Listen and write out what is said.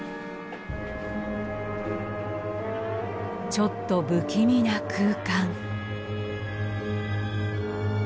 ちょっと不気味な空間。